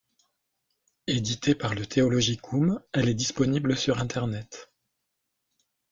Éditée par le Theologicum, elle est disponible sur Internet.